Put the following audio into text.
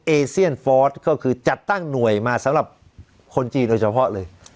เอเซียนฟอร์สก็คือจัดตั้งหน่วยมาสำหรับคนจีนโดยเฉพาะเลย